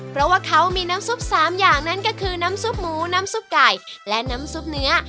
เพราะว่าเขามีน้ำซุป๓อย่างนั้นก็คือน้ำซุปหมูน้ำซุปไก่และน้ำซุปเนื้อ